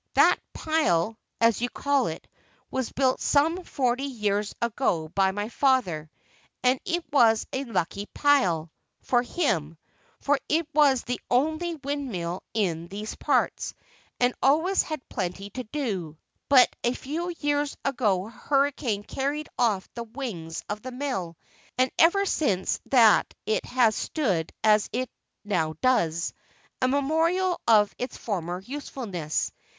"That 'pile,' as you call it, was built some forty years ago by my father; and it was a lucky 'pile' for him, for it was the only windmill in these parts, and always had plenty to do: but a few years ago a hurricane carried off the wings of the mill, and ever since that it has stood as it now does, a memorial of its former usefulness.